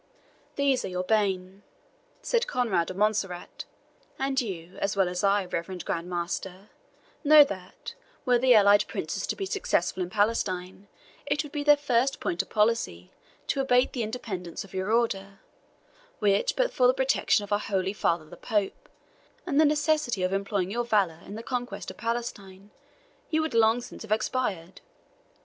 "These are your bane," said Conrade of Montserrat; "and you, as well as I, reverend Grand Master, know that, were the allied princes to be successful in Palestine, it would be their first point of policy to abate the independence of your Order, which, but for the protection of our holy father the Pope, and the necessity of employing your valour in the conquest of Palestine, you would long since have experienced.